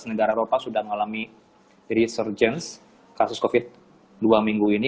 sebelas negara eropa sudah mengalami resurgence kasus covid sembilan belas dua minggu ini